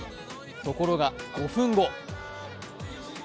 ところが、５分後。